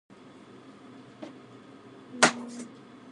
States had been very ill from soon after birth.